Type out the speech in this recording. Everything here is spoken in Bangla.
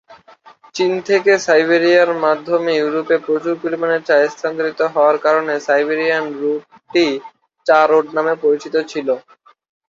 চীন থেকে সাইবেরিয়ার মাধ্যমে ইউরোপে প্রচুর পরিমাণে চা স্থানান্তরিত হওয়ার কারণে সাইবেরিয়ান রুটটি চা রোড নামেও পরিচিত ছিল।